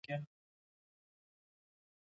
ایا ته غواړې د یو شاعر په اړه مقاله ولیکې؟